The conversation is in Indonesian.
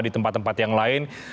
di tempat tempat yang lain